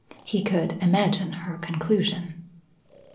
He could imagine her conclusion.